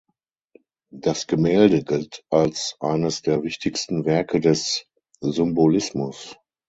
Das Gemälde gilt als eines der wichtigsten Werke des Symbolismus.